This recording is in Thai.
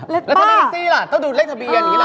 เล็กป้าแล้วถ้าไม่มีสีล่ะต้องดูเล็กทะเบียนอย่างงี้ล่ะ